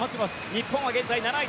日本は現在７位。